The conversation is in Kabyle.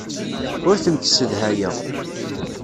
Ur tent-ssedhayeɣ.